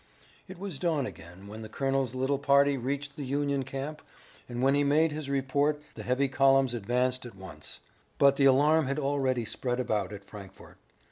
It was dawn again when the colonel's little party reached the Union camp, and when he made his report the heavy columns advanced at once. But the alarm had already spread about at Frankfort.